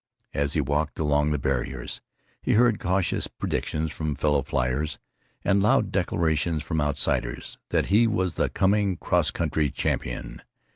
as he walked along the barriers. He heard cautious predictions from fellow fliers, and loud declarations from outsiders, that he was the coming cross country champion.